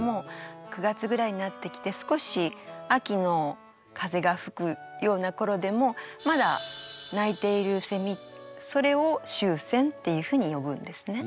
９月ぐらいになってきて少し秋の風が吹くような頃でもまだ鳴いているせみそれを秋蝉っていうふうに呼ぶんですね。